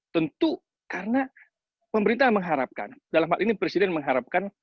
tentu karena pemerintah mengharapkan dalam hal ini presiden mengharapkan